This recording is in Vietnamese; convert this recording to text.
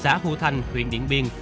xã hồ thành huyện điện biên